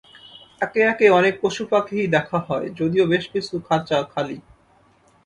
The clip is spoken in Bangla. একে একে অনেক পশুপাখিই দেখা হয়, যদিও বেশ কিছু খাঁচা খালি।